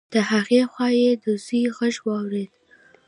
د هغې خوا يې د زوی غږ واورېد.